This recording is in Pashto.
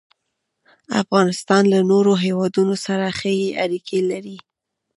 افغانستان له نورو هېوادونو سره ښې اړیکې لري.